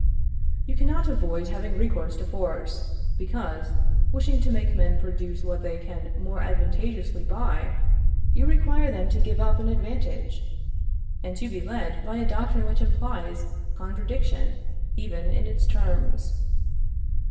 You cannot avoid having recourse to force; because, wishing to make men produce what they can more advantageously buy, you require them to give up an advantage, and to be led by a doctrine which implies contradiction even in its terms.